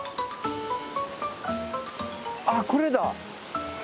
あこれだ。